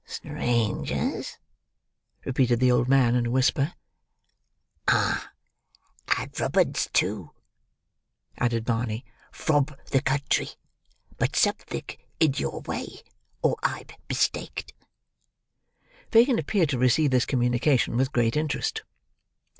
"Strangers!" repeated the old man in a whisper. "Ah! Ad rub uds too," added Barney. "Frob the cuttry, but subthig in your way, or I'b bistaked." Fagin appeared to receive this communication with great interest.